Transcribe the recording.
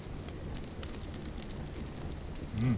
うん。